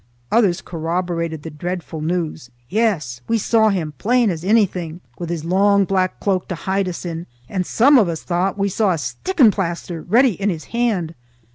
Others corroborated the dreadful news. "Yes! We saw him, plain as onything, with his lang black cloak to hide us in, and some of us thought we saw a sticken plaister ready in his hand."